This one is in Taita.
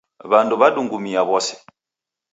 W'andu wadungumia w'ose.